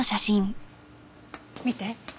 見て。